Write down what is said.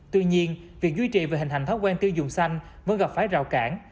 tuy nhiên việc duy trì về hình hành thói quen tiêu dùng xanh vẫn gặp phải rào cản